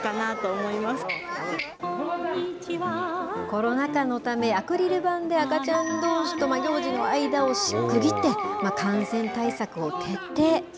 コロナ禍のため、アクリル板で赤ちゃんどうしと行司の間を区切って、感染対策を徹底。